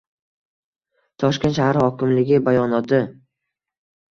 Toshkent shahar hokimligi bayonoti